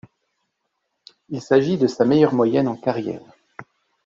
Il s'agit de sa meilleure moyenne en carrière.